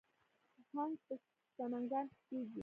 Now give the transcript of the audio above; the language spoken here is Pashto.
هنګ په سمنګان کې کیږي